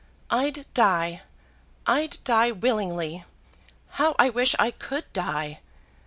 I'd die; I'd die willingly. How I wish I could die!